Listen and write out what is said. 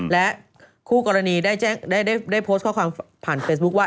และคู่กรณีได้โพสต์ข้อความผ่านเฟซบุ๊คว่า